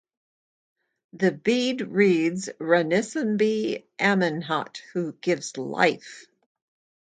The bead reads "Ranisonb Amenemhat, who gives life".